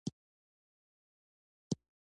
ماشومان باید له ماشومتوبه پښتو زده کړي.